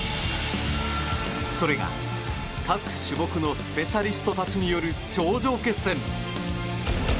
それが各種目のスペシャリストたちによる頂上決戦。